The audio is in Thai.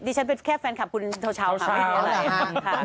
ดิฉันเป็นแค่แฟนกับคุณทอวชาวครับ